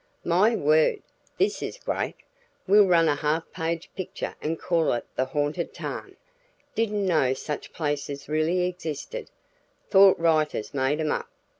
"My word! This is great. We'll run a half page picture and call it the 'Haunted Tarn.' Didn't know such places really existed thought writers made 'em up.